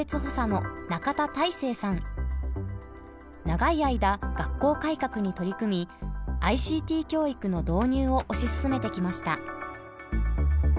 長い間学校改革に取り組みＩＣＴ教育の導入を推し進めてきました。